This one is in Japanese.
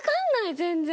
全然。